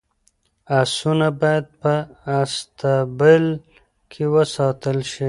اسونه باید په اصطبل کي وساتل شي.